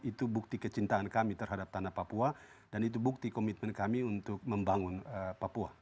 itu bukti kecintaan kami terhadap tanah papua dan itu bukti komitmen kami untuk membangun papua